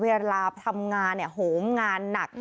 เวลาทำงานเนี่ยโหมงานหนัก